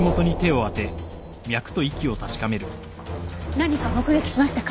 何か目撃しましたか？